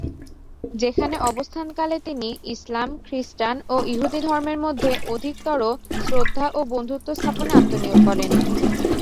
সেখানে অবস্থানকালে তিনি ইসলাম, খ্রিষ্টান ও ইহুদী ধর্মের মধ্যে অধিকতর শ্রদ্ধা ও বন্ধুত্ব স্থাপনে আত্মনিয়োগ করেন।